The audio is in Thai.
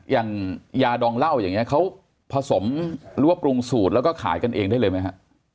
อย่างยาดองเหล้าอย่างนี้เขาผสมหรือว่าปรุงสูตรแล้วก็ขายกันเองได้เลยไหมฮะ